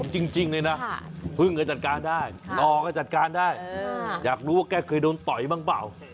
คือจริงเลยนะพื้นเคยจัดการได้ต่อก็ได้อยากรู้ว่าแกเคยโดนป่อยบ้างเปล่า